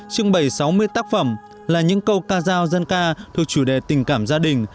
trưng bày sáu mươi tác phẩm là những câu ca giao dân ca thuộc chủ đề tình cảm gia đình